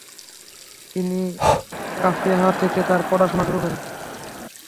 তিনি কাফিয়াহ থেকে তার পড়াশোনা শুরু করেন।